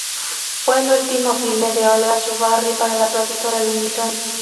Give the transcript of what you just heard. Fue el último filme de Olga Zubarry para la productora Lumiton.